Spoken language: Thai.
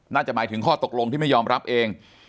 น่าจะหมายถึงข้อตกลงที่ไม่ยอมรับเอง